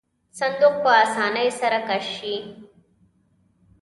صندوق په آسانۍ سره کش شي.